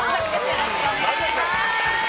よろしくお願いします。